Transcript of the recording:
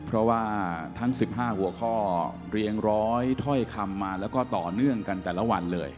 เพราะว่าทั้ง๑๕หัวข้อเรียงร้อยถ้อยคำมาแล้วก็ต่อเนื่องกันแต่ละวันเลย